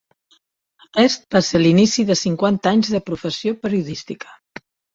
Aquest va ser l'inici de cinquanta anys de professió periodística.